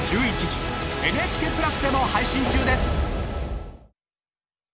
ＮＨＫプラスでも配信中です！